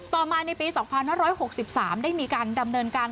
ต่อมาในปี๒๕๖๓ได้มีการดำเนินการ